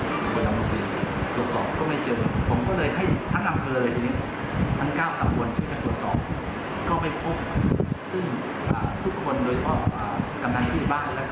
เราลองก็ได้ก่อให้ป้านเรียนอย่างนี้